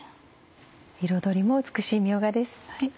彩りも美しいみょうがです。